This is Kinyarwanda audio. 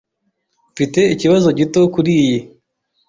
Mfite ikibazo gito kuriyi.